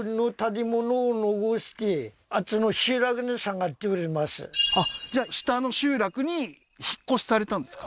はいあっじゃああっじゃあ下の集落に引っ越しされたんですか？